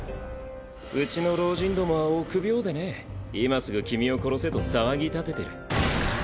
うちの老人どもは臆病でね今すぐ君を殺せと騒ぎ立ててる。